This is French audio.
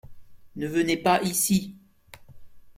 Ne venez pas ici.